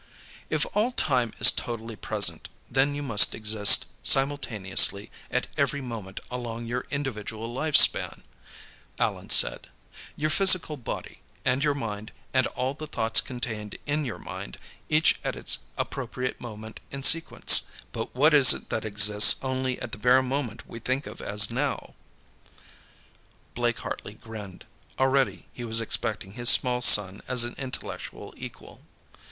"If all time is totally present, then you must exist simultaneously at every moment along your individual life span," Allan said. "Your physical body, and your mind, and all the thoughts contained in your mind, each at its appropriate moment in sequence. But what is it that exists only at the bare moment we think of as now?" Blake Hartley grinned. Already, he was accepting his small son as an intellectual equal.